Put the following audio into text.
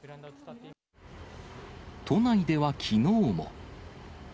都内ではきのうも。